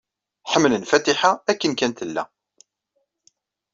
Ḥemmlen Fatiḥa akken kan tella.